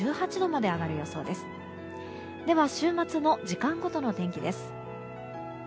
では週末の時間ごとの天気です。